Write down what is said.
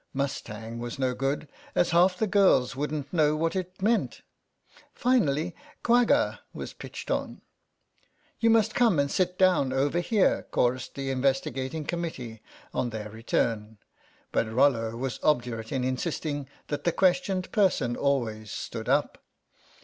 " Mustang " was no good, as half the girls wouldn't know what it meant; finally " quagga " was pitched on. " You must come and sit down over here," chorused the investigating committee on THE STRATEGIST 89 their return; but Rollo was obdurate in insisting that the questioned person always stood up.